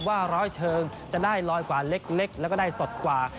ว่าร้อยเชิงจะได้ลอยกว่าเล็กแล้วก็ได้สดกว่า